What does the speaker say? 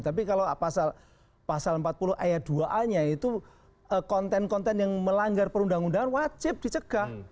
tapi kalau pasal empat puluh ayat dua a nya itu konten konten yang melanggar perundang undangan wajib dicegah